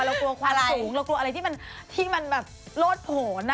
เรากลัวความสูงเรากลัวอะไรที่มันแบบโลดผล